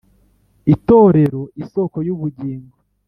Itorero isoko y ubugingo